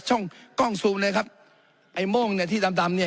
กล้องกล้องซูมเลยครับไอ้โม่งเนี่ยที่ดำดำเนี่ย